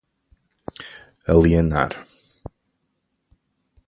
alienar